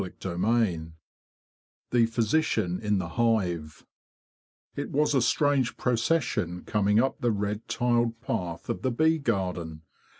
CHAPTER X THE PHYSICIAN IN THE HIVE ig was a strange procession coming up the red tiled path of the bee garden.